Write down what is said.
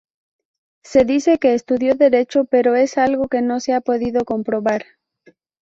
Se dice que estudió Derecho pero es algo que no se ha podido comprobar.